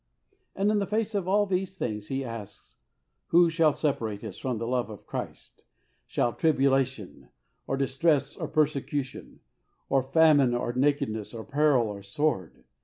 And in face of all these things he asks, " Who shall separate us from the love of Christ ? Shall tribulations, or distress, or persecu ST. PAUL A PATTERN. 43 tion, or famine, or nakedness, or peril, or sword